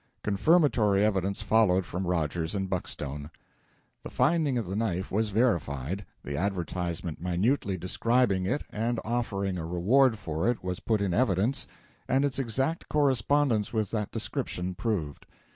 Confirmatory evidence followed from Rogers and Buckstone. The finding of the knife was verified, the advertisement minutely describing it and offering a reward for it was put in evidence, and its exact correspondence with that description proved.